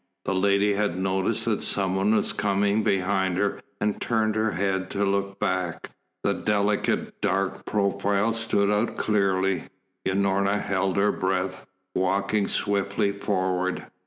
The lady had noticed that some one was coming behind her and turned her head to look back. The delicate, dark profile stood out clearly. Unorna held her breath, walking swiftly forward.